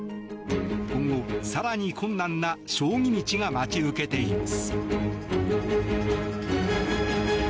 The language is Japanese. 今後、更に困難な将棋道が待ち受けています。